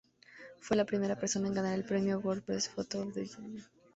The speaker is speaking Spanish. Fue la primera persona en ganar el Premio World Press Photo of the Year.